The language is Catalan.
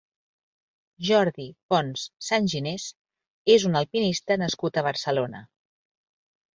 Jordi Pons Sanginés és un alpinista nascut a Barcelona.